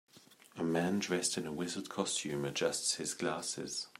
A man dressed in a wizard costume adjusts his glasses.